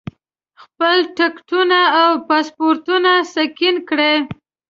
خپل ټکټونه او پاسپورټونه سکین کړي.